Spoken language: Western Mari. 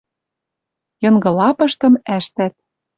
Йынгы лапыштым ӓштӓт.